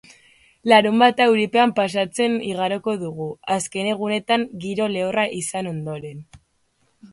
Larunbata euripean paseatzen igaroko dugu, azken egunetan giro lehorra izan ondoren.